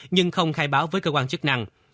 nhưng không khai báo với cơ quan chức năng